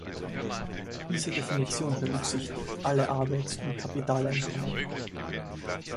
Diese Definition berücksichtigt alle Arbeits- und Kapitaleinkommen.